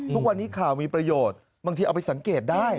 ทุกวันนี้ข่าวมีประโยชน์บางทีเอาไปสังเกตได้